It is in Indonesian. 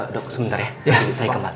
dok sementar ya nanti saya kembali dok